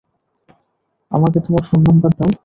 আমাকে তোমার phone number দাও?